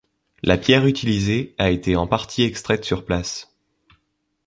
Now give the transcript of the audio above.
La pierre utilisée a été en partie extraite sur place.